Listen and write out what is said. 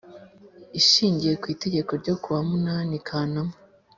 Ishingiye kwItegeko ryo kuwa munani kanama